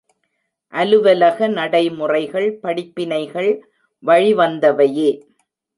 அலுவலக நடைமுறைகள், படிப்பினைகள் வழி வந்தவையே!